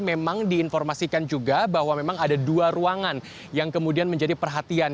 memang diinformasikan juga bahwa memang ada dua ruangan yang kemudian menjadi perhatian